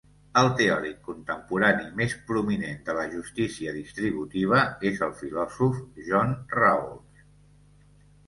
El teòric contemporani més prominent de la justícia distributiva és el filòsof John Rawls.